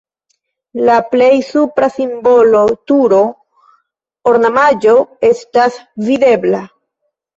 La plej supre simbola turo (ornamaĵo) estas videbla.